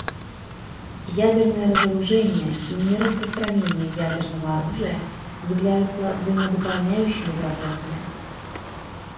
Ядерное разоружение и нераспространение ядерного оружия являются взаимодополняющими процессами.